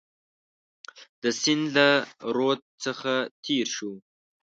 د سیند له رود څخه تېر شو.